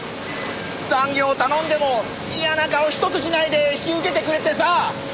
残業頼んでも嫌な顔ひとつしないで引き受けてくれてさ。